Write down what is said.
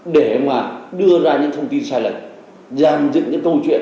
để mà đưa ra những thông tin sai lệch dàn dựng những câu chuyện